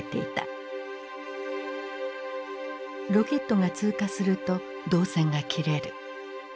ロケットが通過すると導線が切れる。